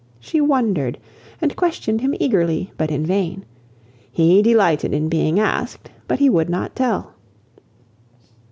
She wondered, and questioned him eagerly; but in vain. He delighted in being asked, but he would not tell.